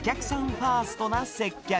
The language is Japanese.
ファーストな接客。